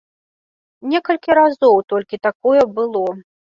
Некалькі разоў толькі такое было.